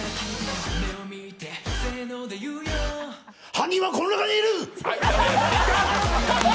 犯人はこの中にいる！